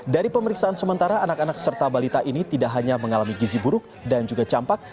dari pemeriksaan sementara anak anak serta balita ini tidak hanya mengalami gizi buruk dan juga campak